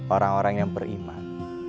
orang orang yang beriman